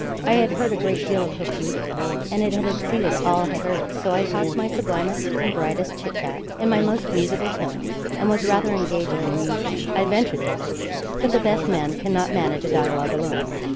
I had heard a great deal of her beauty; and it had exceeded all I heard; so I talked my sublimest and brightest chit chat, in my most musical tones, and was rather engaging and amusing, I ventured to hope. But the best man cannot manage a dialogue alone.